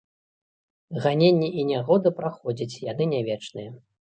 Ганенні і нягоды праходзяць, яны не вечныя.